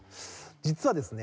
実はですね